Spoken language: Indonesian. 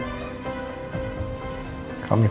aku biarkan fishbel it